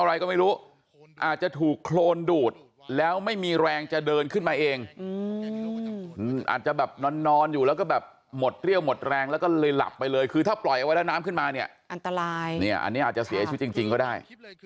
อาจจะแบบนอนอยู่แล้วก็แบบหมดเรี่ยวหมดแรงแล้วก็เลยหลับไปเลยคือถ้าปล่อยเองไว้แล้วน้ำขึ้นมาเนี่ยอันตรายเนี่ยอันนี้อาจจะเสียชีวิตจริงก็ได้